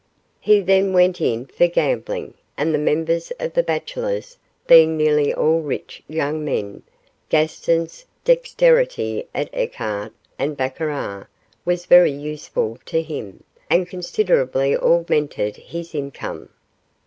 He then went in for gambling, and the members of The Bachelors, being nearly all rich young men, Gaston's dexterity at ecarte and baccarat was very useful to him, and considerably augmented his income.